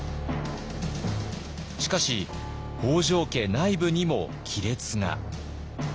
しかし北条家内部にも亀裂が。